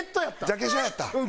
ジャケ写やった？